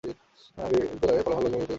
বিদ্যালয়ের ফলাফল লৌহজং উপজেলার মধ্যে ভালো।